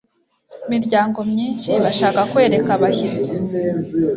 miryango myinshi bashaka kwereka abashyitsi